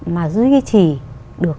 mà duy trì được